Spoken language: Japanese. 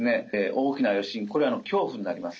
大きな余震これ恐怖になります。